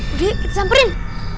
udah kita samperin